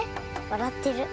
わらってる。